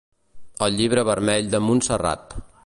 El Llibre Vermell de Montserrat.